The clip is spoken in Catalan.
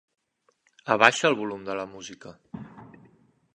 Abaixa el volum de la música.